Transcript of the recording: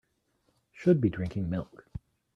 Should be drinking milk.